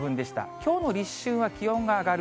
きょうの立春は気温が上がる。